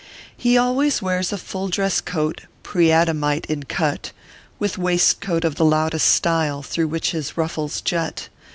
He always wears a full dress coat pro Adamite in cut With waistcoat of the loudest style, through which his ruffles jut.